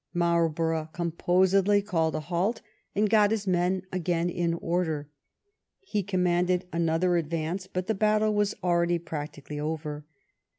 Marlborough composedly called a halt, and got his men again in order. He commanded another ad vance, but the battle was already practically over.